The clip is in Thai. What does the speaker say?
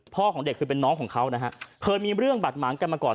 ของเด็กคือเป็นน้องของเขานะฮะเคยมีเรื่องบาดหมางกันมาก่อน